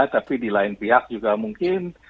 tapi di lain pihak juga mungkin